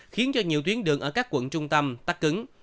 khiến cho nhiều tuyến đường ở các quận trung tâm tắt cứng